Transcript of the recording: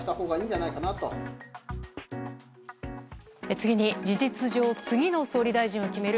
次に事実上次の総理大臣を決める